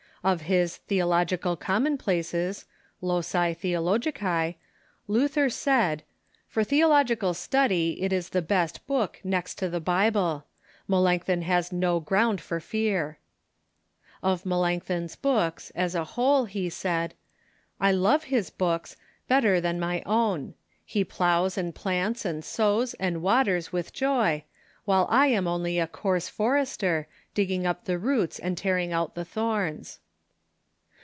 Of his "Theological Commonplaces" {Loci Theologicl), Luther said :" For theological study it is the best book, next to the Bible. Melanchthon has no ground for fear." Of Melanchthon's books, as a whole, he said: "I love his books better than my own. He ploughs and plants and sows and waters with joy, while I am only a coarse for ester, digging up the roots and tearing out the thorns."